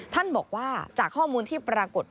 ท่านบอกว่าจากข้อมูลที่ปรากฏ